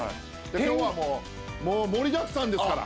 今日は盛りだくさんですから。